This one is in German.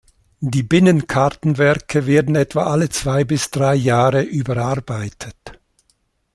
Die Binnen-Kartenwerke werden etwa alle zwei bis drei Jahre überarbeitet.